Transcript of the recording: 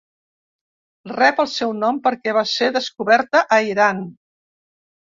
Rep el seu nom perquè va ser descoberta a Iran.